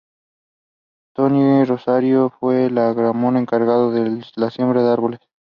Tony Rosario fue el Agrónomo encargado de la siembra de árboles.